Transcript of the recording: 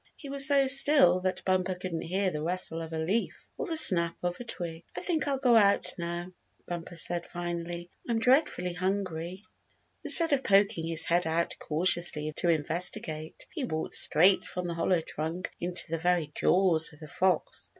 He was so still that Bumper couldn't hear the rustle of a leaf or the snap of a twig. "I think I'll go out now," Bumper said finally. "I'm dreadfully hungry." Instead of poking his head out cautiously to investigate, he walked straight from the hollow trunk into the very jaws of the fox.